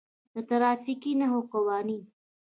د ترافیکي نښو قوانین: